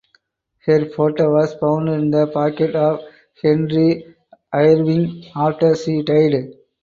Her photo was found in the pocket of Henry Irving after she died.